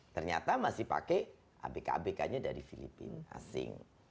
ternyata masih pakai abk abk nya dari filipina asing